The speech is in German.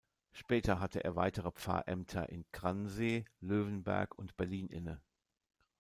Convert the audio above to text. Später hatte er weitere Pfarrämter in Gransee, Löwenberg und Berlin inne.